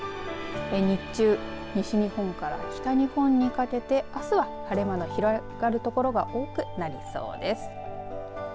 日中、西日本から北日本にかけてあすは晴れ間の広がる所が多くなりそうです。